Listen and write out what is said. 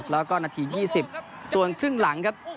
แล้วก็นาที๒๐ส่วนครึ่งหลังครับ